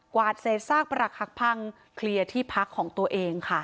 วาดเศษซากประหลักหักพังเคลียร์ที่พักของตัวเองค่ะ